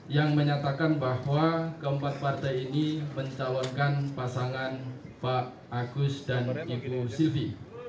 yang menyatakan bahwa keempat partai ini mencalonkan pasangan pak agus dan ibu silvi